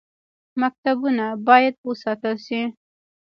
مکتبونه باید وساتل شي